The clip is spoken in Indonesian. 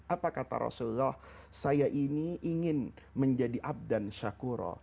apa kata rasulullah saya ini ingin menjadi abdan syakuro